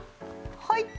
はい。